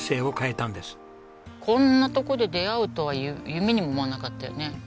こんなとこで出会うとは夢にも思わなかったよね。